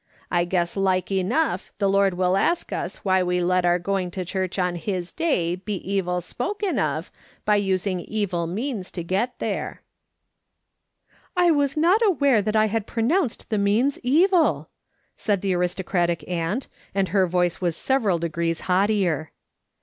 I guess like enough the Lord will ask us why we let our going to church on his day be evil spoken of, by using evil means to get there." I 1 1 4 MRS. SOL OMON SMI Til 1. 00 KING ON. " I was not aware that I liad pronounced the means evil," said the aristocratic aunt, and her voice was several degrees haughtier.